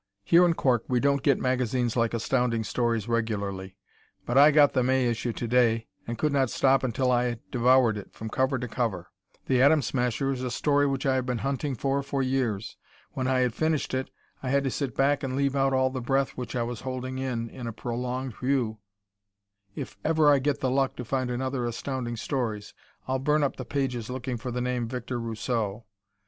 Here in Cork we don't get magazines like Astounding Stories regularly, but I got the May issue to day and could not stop until I had devoured it from cover to cover. "The Atom Smasher" is a story which I have been hunting for for years. When I had finished it, I had to sit back and leave out all the breath which I was holding in in a prolonged "whew!" If ever I get the luck to find another Astounding Stories I'll burn up the pages looking for the name Victor Rousseau.